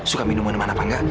suka minum minuman apa enggak